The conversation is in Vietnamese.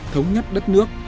thống nhất đất nước